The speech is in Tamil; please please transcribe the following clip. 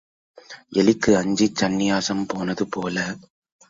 எலிக்கு அஞ்சிச் சந்நியாசம் போனது போல.